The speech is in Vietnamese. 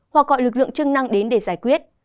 hoặc gọi lực lượng chức năng đến để giải quyết